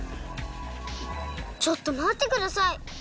ちょっとまってください。